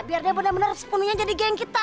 biar dia bener bener sepenuhnya jadi geng kita